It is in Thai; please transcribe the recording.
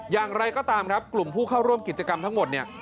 อย่างไรก็ตามครับกลุ่มผู้เข้าร่วมกิจกรรมทั้งหมดเนี่ย